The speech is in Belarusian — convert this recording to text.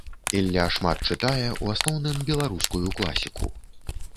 Ілля шмат чытае, у асноўным беларускую класіку.